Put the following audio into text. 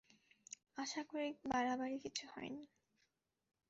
আশা করি বাড়াবাড়ি কিছু হয়নি।